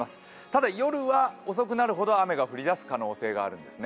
ただ、夜は遅くなるほど雨が降り出す可能性があるんです。